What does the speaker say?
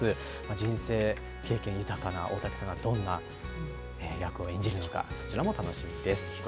人生経験豊かな大竹さんがどんな役を演じるのか、そちらも楽しみです。